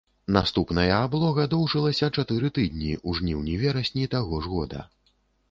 Наступная аблога доўжылася чатыры тыдні ў жніўні-верасні таго ж года.